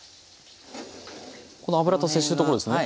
この油と接してるところですね。